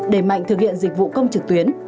đề mạnh thực hiện dịch vụ công trực tuyến